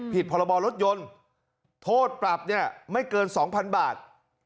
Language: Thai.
ผิดพรบรบรถยนต์โทษปรับเนี่ยไม่เกินสองพันบาท